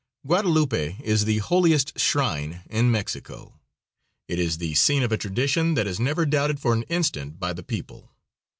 Guadalupe is the holiest shrine in Mexico. It is the scene of a tradition that is never doubted for an instant by the people.